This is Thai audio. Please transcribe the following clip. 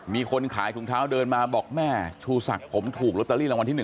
มีคนขายถุงเท้าเดินมาบอกแม่ชูศักดิ์ผมถูกลอตเตอรี่รางวัลที่๑